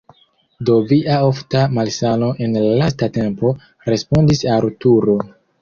"Do Via ofta malsano en la lasta tempo!" Respondis Arturo.